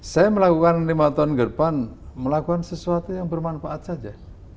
saya melakukan lima tahun ke depan melakukan sesuatu yang bermanfaat saja